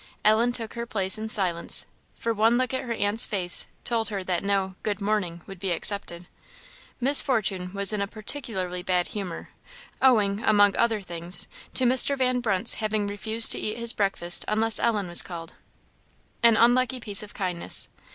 Ellen took her place in silence, for one look at her aunt's face told her that no "good morning" would be accepted. Miss Fortune was in a particularly bad humour, owing, among other things, to Mr. Van Brunt's having refused to eat his breakfast unless Ellen were called. An unlucky piece of kindness.